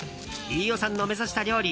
飯尾さんの目指した料理